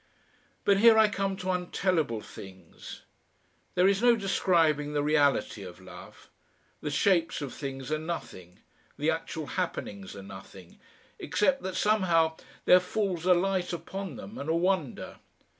But here I come to untellable things. There is no describing the reality of love. The shapes of things are nothing, the actual happenings are nothing, except that somehow there falls a light upon them and a wonder.